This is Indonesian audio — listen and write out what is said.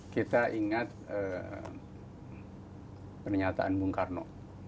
kita ingat pernyataan bung karno